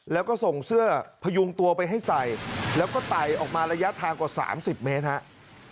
แล้วก็ส่งเสื้อพยุงตัวไปให้ใส่แล้วก็ไต่ออกมาระยะทางกว่า๓๐เมตรครับ